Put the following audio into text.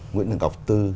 nguyễn đường ngọc tư